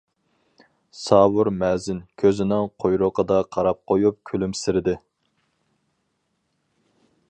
ساۋۇر مەزىن كۆزىنىڭ قۇيرۇقىدا قاراپ قويۇپ كۈلۈمسىرىدى.